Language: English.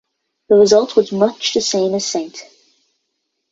The result was much the same as St.